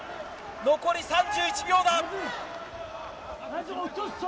残り３１秒だ。